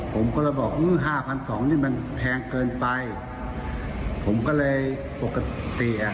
ผมก็เลยบอกอืมห้าพันสองนี่มันแพงเกินไปผมก็เลยปกติอ่ะ